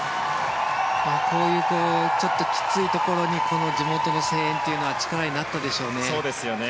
こういうちょっときついところに地元の声援というのは力になったでしょうね。